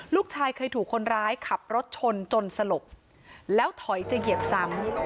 ลูกชายเคยถูกคนร้ายขับรถชนจนสลบแล้วถอยจะเหยียบซ้ำ